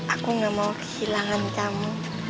aku enggak mau kehilangan kamu